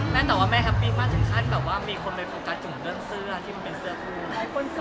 แม่แฮปปี้คือการจุ่มค่ะ